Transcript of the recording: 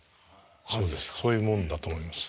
そういうもんだと思います。